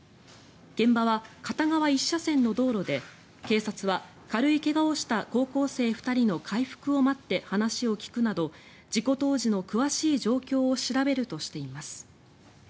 現場は片側１車線の道路で警察は軽い怪我をした高校生２人の回復を待って話を聞くなど事故当時の詳しい状況を調べるとしています。